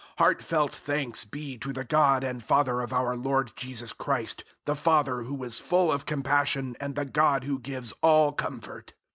001:003 Heartfelt thanks be to the God and Father of our Lord Jesus Christ the Father who is full of compassion and the God who gives all comfort.